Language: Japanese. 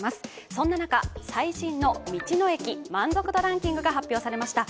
そんな中、最新の道の駅満足度をランキングが発表されました。